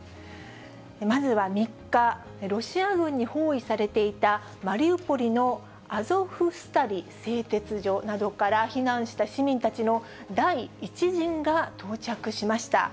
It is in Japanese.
まずは３日、ロシア軍に包囲されていたマリウポリのアゾフスタリ製鉄所などから避難した市民たちの第１陣が到着しました。